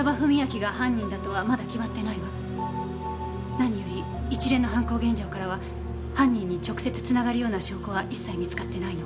何より一連の犯行現場からは犯人に直接つながるような証拠は一切見つかってないの。